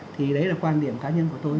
thì đấy là quan điểm cá nhân của tôi